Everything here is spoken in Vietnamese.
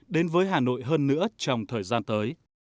đến với hà nội hơn nữa trong thời gian tới